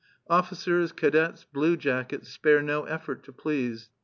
Officers, cadets, blue jackets, spare no effort to please.